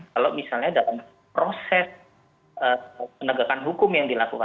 kalau misalnya dalam proses penegakan hukum yang dilakukan